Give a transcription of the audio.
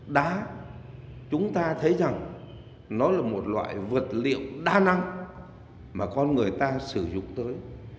đá chúng ta thấy rằng nó là một loại vật liệu đa năng mà con người ta sử dụng tới